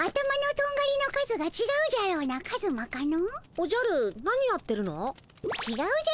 おじゃるなにやってるの？